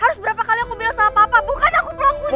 harus berapa kali aku bilang sama papa bukan aku pelakunya